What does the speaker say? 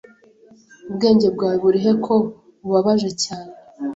Ubwenge bwawe burihe ko ubabaje cyane?